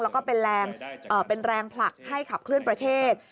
แล้วก็เป็นแรงผลักให้ขับเคลื่อนประเทศ